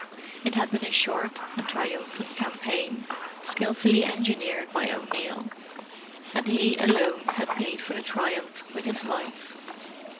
It had been a short and triumphant campaign—skilfully engineered by O'Neill; and he alone had paid for the triumph with his life.